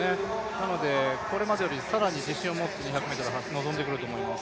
なのでこれまでよりかなり自信を持って２００ｍ臨んでくると思います。